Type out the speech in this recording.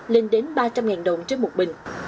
lên đến ba trăm linh đồng trên một bình